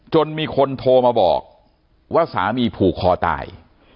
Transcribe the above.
จนมีคนโทรมาบอกว่าสามีผูกคอตาย